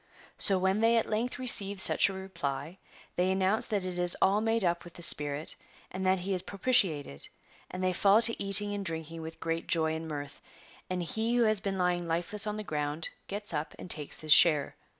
So when they at length receive such a reply, they announce that it is all made up with the spirit, and that he is propitiated, and they fall to eating and drinking with great joy and mirth, and he who had been lying lifeless on the ground gets up and takes his share.